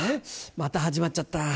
また始まっちゃった。